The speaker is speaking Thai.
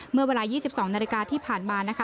เมื่อเวลา๒๒นาฬิกาที่ผ่านมานะคะ